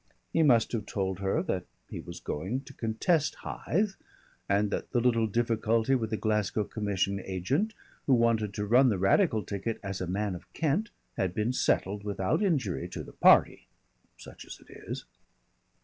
He must have told her that he was going to contest Hythe and that the little difficulty with the Glasgow commission agent who wanted to run the Radical ticket as a "Man of Kent" had been settled without injury to the party (such as it is).